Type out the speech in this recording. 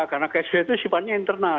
karena ksp itu sifatnya internal